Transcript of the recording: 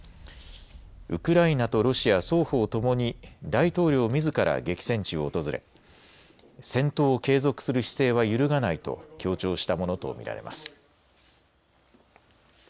ウクライナとロシア双方ともに大統領みずから激戦地を訪れ戦闘を継続する姿勢は揺るがないと強調したものと見られます。